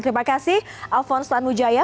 terima kasih alfonstan u jaya